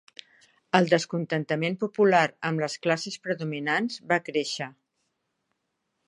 El descontentament popular amb les classes predominants va créixer.